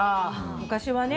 昔はね。